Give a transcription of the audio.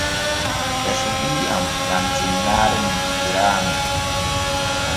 Ɓe suɓii am gam tinnaare ne ji'iraami.